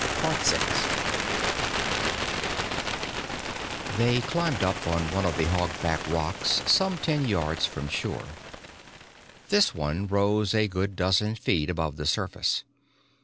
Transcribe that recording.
VI They climbed up on one of the hogback rocks some ten yards from shore. This one rose a good dozen feet above the surface.